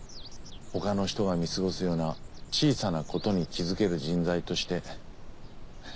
他の人が見過ごすような小さなことに気づける人材として。